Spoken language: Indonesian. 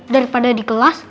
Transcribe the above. daripada di kelas